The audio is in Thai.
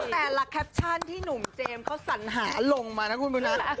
แต่รักแคปชั่นที่นุ่มเจมส์เขาสั่นหาลงมานะคุณมูนา